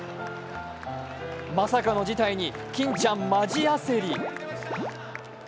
まさかの事態に金ちゃん、マジ焦り。